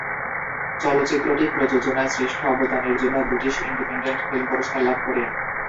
চলচ্চিত্রটি প্রযোজনায় শ্রেষ্ঠ অবদানের জন্য ব্রিটিশ ইন্ডিপেন্ডেন্ট ফিল্ম পুরস্কার লাভ করে।